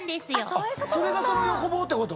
それがその横棒ってこと？